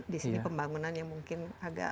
di sini pembangunan yang mungkin agak